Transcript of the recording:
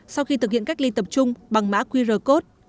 sau khi thực hiện cách ly tập trung bằng mã qr code